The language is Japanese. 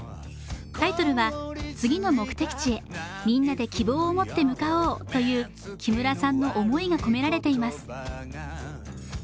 タイトルは、次の目的地へみんなで希望を持って向かおうという木村さんの思いが込められています。